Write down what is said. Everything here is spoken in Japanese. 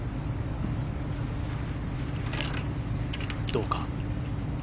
どうか。